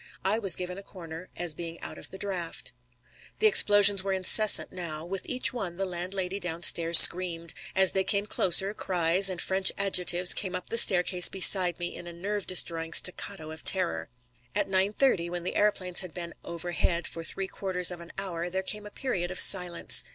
I was given a corner, as being out of the draft. The explosion were incessant now. With each one the landlady downstairs screamed. As they came closer, cries and French adjectives came up the staircase beside me in a nerve destroying staccato of terror. At nine thirty, when the aëroplanes had been overhead for three quarters of an hour, there came a period of silence.